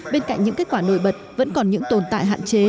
bên cạnh những kết quả nổi bật vẫn còn những tồn tại hạn chế